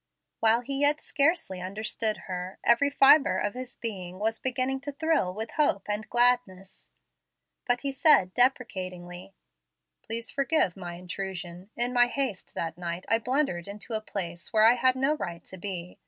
While he yet scarcely understood her, every fibre of his being was beginning to thrill with hope and gladness; but he said deprecatingly: "Please forgive my intrusion. In my haste that night I blundered into a place where I had no right to be.